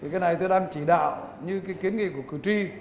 cái này tôi đang chỉ đạo như kiến nghị của cử tri